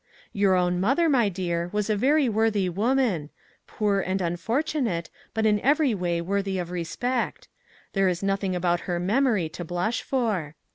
" Your own mother, my dear, was a very worthy woman; poor, and unfortunate, but in every way worthy of respect. There is noth ing about her memory to blush for.